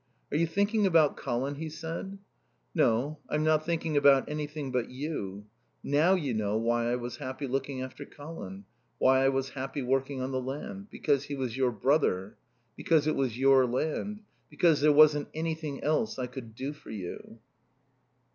"Are you thinking about Colin?" he said. "No. I'm not thinking about anything but you... Now you know why I was happy looking after Colin. Why I was happy working on the land. Because he was your brother. Because it was your land. Because there wasn't anything else I could do for you."